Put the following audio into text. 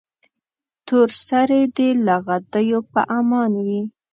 تور سرې دې له غدیو په امان وي.